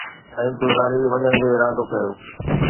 ۽ چوڌاري وڃڻ جو ارادو ڪيو